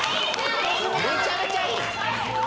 めちゃめちゃいい！